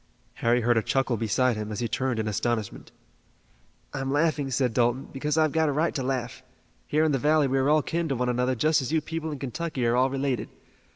Harry heard a chuckle beside him and he turned in astonishment. "I'm laughing," said Dalton, "because I've got a right to laugh. Here in the valley we are all kin to one another just as you people in Kentucky are all related.